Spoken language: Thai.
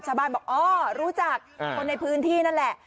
ชาวบ้านบอกอ๋อรู้จักคนในพื้นที่นั่นแหละ